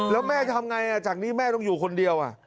แล้วแม่ทำไงจากนี้แม่ต้องอยู่คนเดียว